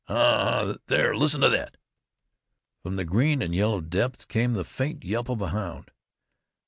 A ha! There! Listen to thet!" From the green and yellow depths soared the faint yelp of a hound.